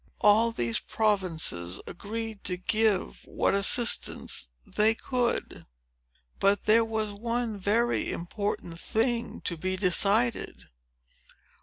All these provinces agreed to give what assistance they could. But there was one very important thing to be decided.